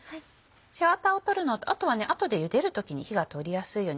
背ワタを取るのとあとは後で茹でる時に火が通りやすいように。